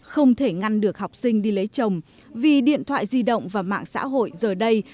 không thể ngăn được học sinh đi lấy chồng vì điện thoại di động và mạng xã hội giờ đây